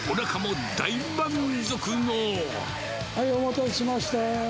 はい、お待たせしました。